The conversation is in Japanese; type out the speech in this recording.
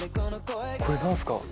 これ何すか？